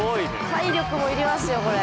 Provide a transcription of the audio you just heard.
体力も要りますよこれ。